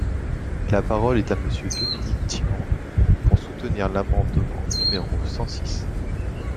La parole est à Monsieur Dominique Tian, pour soutenir l’amendement numéro cent six.